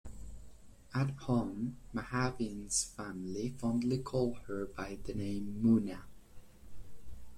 At home, Mahjabeen's family fondly called her by the name "Munna".